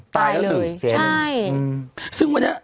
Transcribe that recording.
ตายแล้ว๑